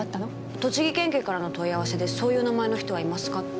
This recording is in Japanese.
栃木県警からの問い合わせでそういう名前の人はいますかって。